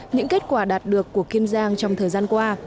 những kết quả đạt được của kiên giang trong thời gian qua